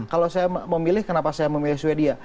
kalau saya memilih kenapa saya memilih swedia